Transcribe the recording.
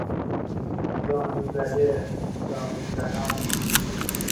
زانو زده، زانو زنان